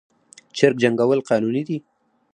چرګ جنګول قانوني دي؟